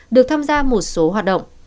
được tham gia một số hoạt động